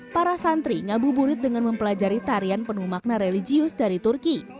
para santri ngabuburit dengan mempelajari tarian penuh makna religius dari turki